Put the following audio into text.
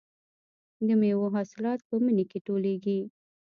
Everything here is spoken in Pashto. د میوو حاصلات په مني کې ټولېږي.